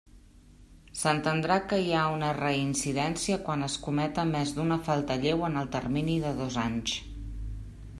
S'entendrà que hi ha reincidència quan es cometa més d'una falta lleu en el termini de dos anys.